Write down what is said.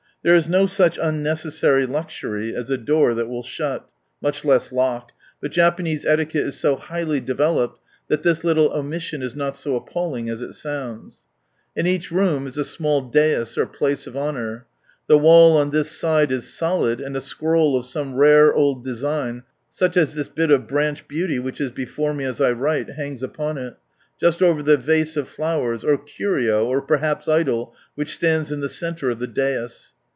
Thi re is no such unnecessary luxury as a door ihat will shut, ^^^^^| much less lock, but Japanese etiquette is so ^^^^H IffM: highly developed, tiiat this little omission is ^^^^^|».*^ not so appiUing as it sounds, ^^^^^| In tacli room is a small dais, or place ^^^H of honour. The wall on this side is solid, ^H ■fi* and a scroll of some rare old design, such as ^H ^i> ' tliis bit of branch beauty which is before me ^^^^^H as I write, hangs upon it, just over the vase ^^^^^H of flowers, or curio, or perhaps idol, which ^^^^^H ■ ^'Cv'''^"' stands in the centre of the dais.